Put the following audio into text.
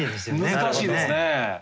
難しいですね。